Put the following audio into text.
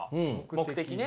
目的ね。